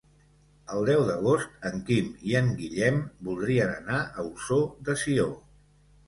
El deu d'agost en Quim i en Guillem voldrien anar a Ossó de Sió.